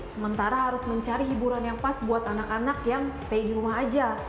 sementara harus mencari hiburan yang pas buat anak anak yang stay di rumah aja